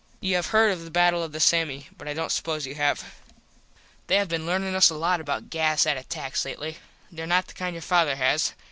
You have heard of the battle of the Samme. But I dont suppose you have. They have been learnin us a lot about gas at attacks lately. These are not the kind your father has.